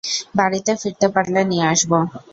বাড়িতে ফিরতে পারলে নিয়ে আসব।